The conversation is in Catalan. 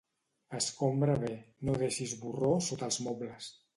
Escombra bé: no deixis borró sota els mobles.